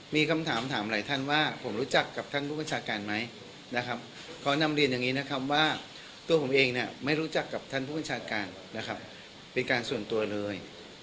มีคำถามถามหลายท่านว่าผมรู้จักกับท่านผู้บัญชาการไหมนะครับขอนำเรียนอย่างนี้นะครับว่าตัวผมเองเนี่ยไม่รู้จักกับท่านผู้บัญชาการนะครับเป็นการส่วนตัวเลย